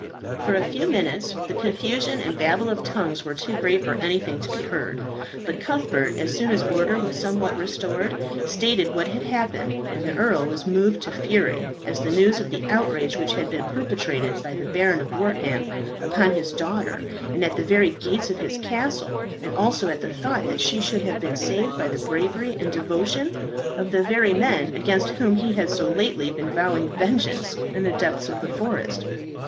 For a few minutes the confusion and babble of tongues were too great for anything to be heard, but Cuthbert, as soon as order was somewhat restored, stated what had happened, and the earl was moved to fury at the news of the outrage which had been perpetrated by the Baron of Wortham upon his daughter and at the very gates of his castle, and also at the thought that she should have been saved by the bravery and devotion of the very men against whom he had so lately been vowing vengeance in the depths of the forest.